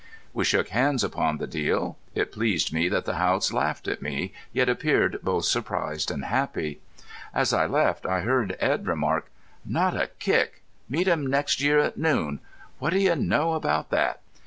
We shook hands upon the deal. It pleased me that the Haughts laughed at me yet appeared both surprised and happy. As I left I heard Edd remark: "Not a kick!... Meet him next year at noon! What do you know about thet?"